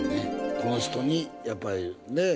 この人にやっぱりねえ。